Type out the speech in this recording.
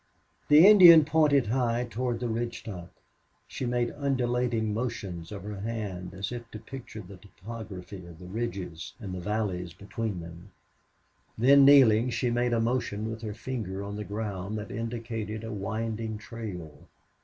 The Indian pointed high toward the ridge top. She made undulating motions of her hand, as if to picture the topography of the ridges, and the valleys between; then kneeling, she made a motion with her finger on the ground that indicated a winding trail.